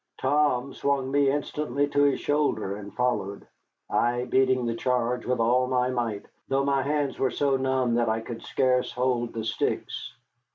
Tom swung me instantly to his shoulder and followed, I beating the charge with all my might, though my hands were so numb that I could scarce hold the sticks.